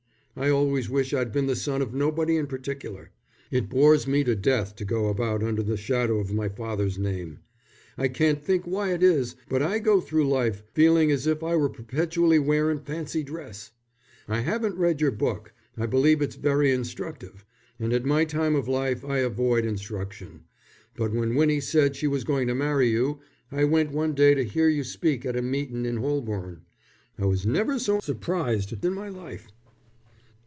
I always wish I'd been the son of nobody in particular. It bores me to death to go about under the shadow of my father's name. I can't think why it is, but I go through life feeling as if I were perpetually wearin' fancy dress. I haven't read your book. I believe it's very instructive, and at my time of life I avoid instruction. But when Winnie said she was going to marry you, I went one day to hear you speak at a meetin' in Holborn. I was never so surprised in my life."